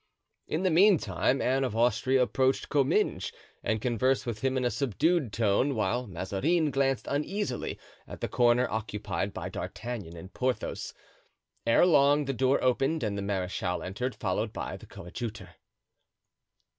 In the meantime Anne of Austria approached Comminges and conversed with him in a subdued tone, whilst Mazarin glanced uneasily at the corner occupied by D'Artagnan and Porthos. Ere long the door opened and the marechal entered, followed by the coadjutor.